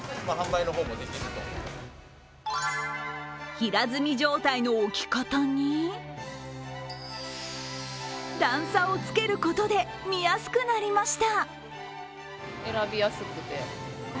平積み状態の置き方に段差をつけることで見やすくなりました。